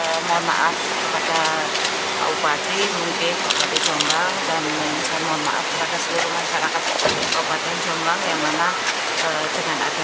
saya mohon maaf kepada pak bupati mungkin bupati jombang dan saya mohon maaf kepada seluruh masyarakat kabupaten jombang yang memang dengan adanya